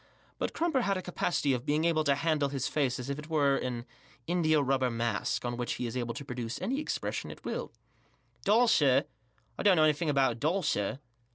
l$ut Crumper had a capacity of being able to handle his face as if it were an indiarubber mask, on which he is able to produce any expression at will, "Doll, sir? I don't know anything about a doll, sir."